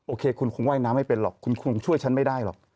โอเคคุณคงว่ายน้ำไม่เป็นหรอกคุณคงช่วยฉันไม่ได้หรอก